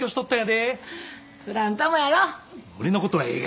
俺のことはええがな。